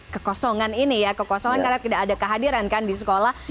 kekosongan ini ya kekosongan karena tidak ada kehadiran kan di sekolah